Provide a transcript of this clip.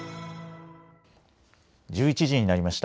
１１時になりました。